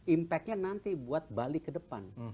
impactnya nanti buat bali ke depan